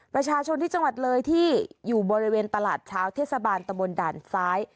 ประชาชนที่จังหวัดเลยที่อยู่บริเวณตลาดเช้าเทศบาลตะบนด่านซ้าย